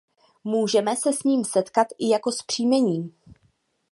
Můžeme se s ním setkat i jako s příjmením.